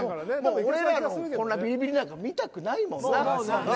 俺らのビリビリなんか見たくないもんな。